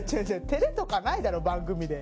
照れとかないだろ番組で。